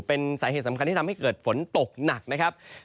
เป็นสาเหตุสำคัญที่ทำให้เกิดฝนตกหนักนะครับ